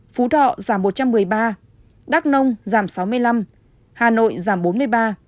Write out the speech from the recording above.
phú thọ giảm một trăm một mươi ba đắk nông giảm sáu mươi năm hà nội giảm bốn mươi ba